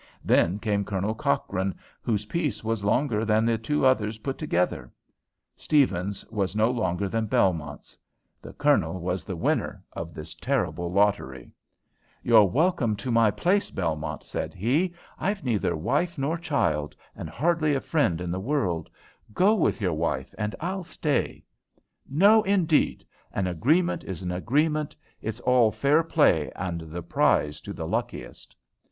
Then came Colonel Cochrane, whose piece was longer than the two others put together. Stephen's was no bigger than Belmont's. The Colonel was the winner of this terrible lottery. [Illustration: The Colonel was the winner of this terrible lottery p222] "You're welcome to my place, Belmont," said he. "I've neither wife nor child, and hardly a friend in the world. Go with your wife, and I'll stay." "No, indeed! An agreement is an agreement. It's all fair play, and the prize to the luckiest."